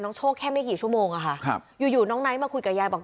โชคแค่ไม่กี่ชั่วโมงอะค่ะครับอยู่อยู่น้องไนท์มาคุยกับยายบอก